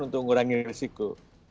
untuk mengurangi risiko